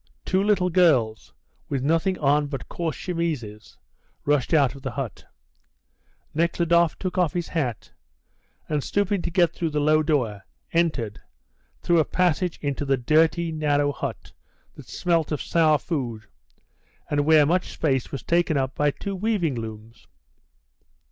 Two little girls, with nothing on but coarse chemises, rushed out of the hut. Nekhludoff took off his hat, and, stooping to get through the low door, entered, through a passage into the dirty, narrow hut, that smelt of sour food, and where much space was taken up by two weaving looms.